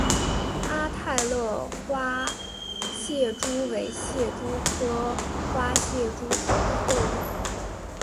阿勒泰花蟹蛛为蟹蛛科花蟹蛛属的动物。